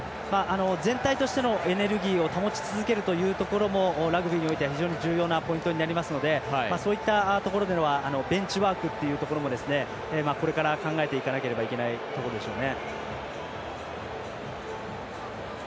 全体としてのエネルギーを保ち続けるということもラグビーにおいては非常に重要なポイントになりますのでそういったところではベンチワークっていうところもこれから考えていかなければならないところでしょうね。